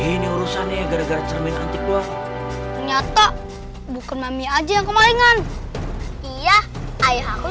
ini urusannya gara gara cermin antik luar nyata bukan mami aja kemalingan iya ayah aku